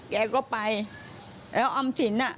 แกก็ไปแล้วออมศิลป์น่ะ